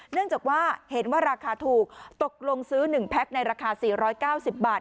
เนื่องจากว่าเห็นว่าราคาถูกตกลงซื้อ๑แพ็คในราคา๔๙๐บาท